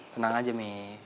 tenang aja mi